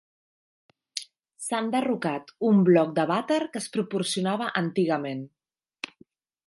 S'ha enderrocat un bloc de vàter que es proporcionava antigament.